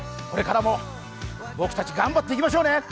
これからも僕たち頑張っていきましょうね！